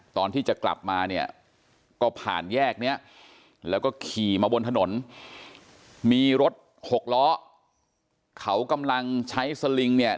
ตอนที่จะกลับมาเนี่ยก็ผ่านแยกเนี้ยแล้วก็ขี่มาบนถนนมีรถหกล้อเขากำลังใช้สลิงเนี่ย